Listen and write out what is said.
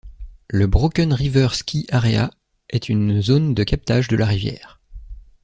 Le Broken River Ski Area est une zone de captage de la rivière.